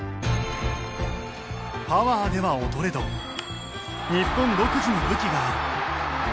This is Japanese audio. パワーでは劣れど日本独自の武器がある。